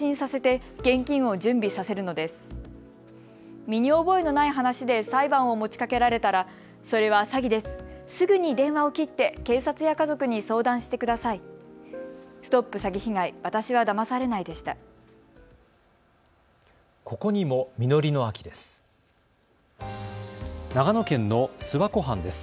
ここにも実りの秋です。